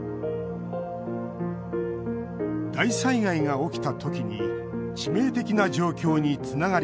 大災害が起きた時に致命的な状況につながりかねない。